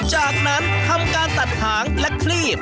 จากนั้นทำการตัดหางและคลีบ